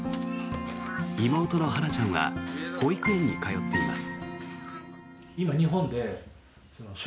妹の永菜ちゃんは保育園に通っています。